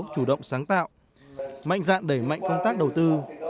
chủ động sáng tạo mạnh dạn đẩy mạnh công tác đầu tư